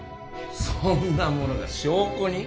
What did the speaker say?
そんなものが証拠に？